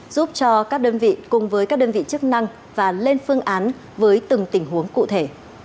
giúp cho các đơn vị cùng với các đơn vị chức năng và lên phương án với từng tình huống cụ thể